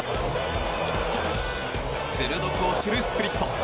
鋭く落ちるスプリット。